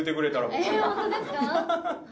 本当ですか？